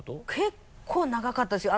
結構長かったですよ。